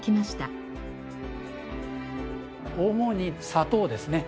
主に砂糖ですね。